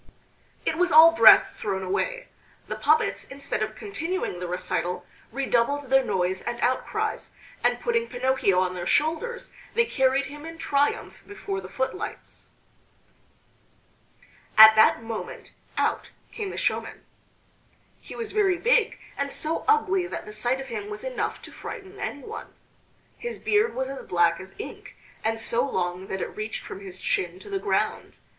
It was all breath thrown away. The puppets, instead of continuing the recital, redoubled their noise and outcries, and putting Pinocchio on their shoulders they carried him in triumph before the footlights. At that moment out came the showman. He was very big and so ugly that the sight of him was enough to frighten anyone. His beard was as black as ink, and so long that it reached from his chin to the ground.